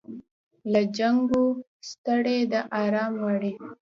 له جنګو ستړې ده آرام غواړي